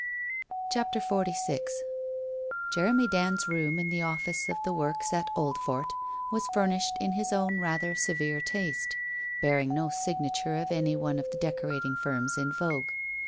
CHAPTER XLVI Jeremy Dand's room in the office of the works at Old fort was furnished in his own rather severe taste, bearing no signature of any one of the decorating firms in vogue.